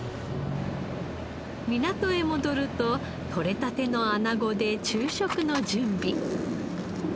港へ戻ると取れたてのアナゴで昼食の準備。